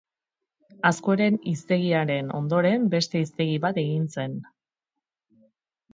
Azkueren hiztegiaren ondoren, beste hiztegi bat egin zen.